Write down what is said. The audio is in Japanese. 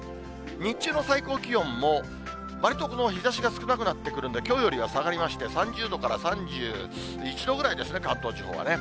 日中の最高気温も、わりとこの日ざしが少なくなってくるんで、きょうよりは下がりまして、３０度から３１度ぐらいですね、関東地方はね。